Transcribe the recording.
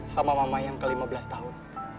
sama mama yang ke lima belas tahun